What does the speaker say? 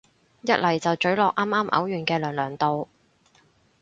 一嚟就咀落啱啱嘔完嘅娘娘度